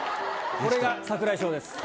これが櫻井翔です。